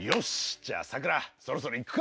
じゃあさくらそろそろ行くか。